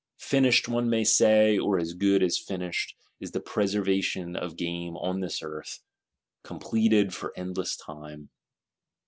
Finished, one may say, or as good as finished, is the Preservation of Game on this Earth; completed for endless Time.